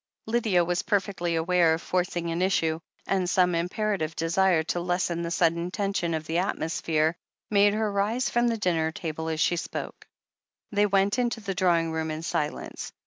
Lydia was perfectly aware of forcing an issue, and some imperative desire to lessen the sudden tension of the atmosphere made her rise from the dinner table as she spoke. They went into the drawing room in silence.